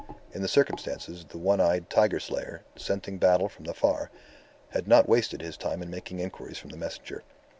In the circumstances, the one eyed tiger slayer, scenting battle from afar, had not wasted his time in making inquiries from the messenger.